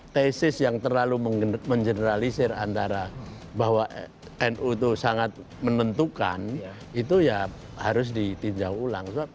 tesis yang terlalu mengeneralisir antara bahwa nu itu sangat menentukan itu ya harus ditinjau ulang